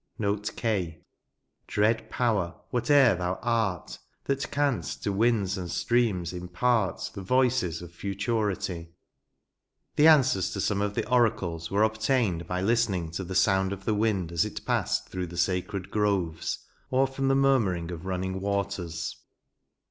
Note K. Dread power, whatever thou art, That canst to winds and streams impart The voices ofjuturity." The answers of some of the oracles were obtained by listening to the sound of the wind as it passed through the ■acred groves, or from the murmuring of running waters.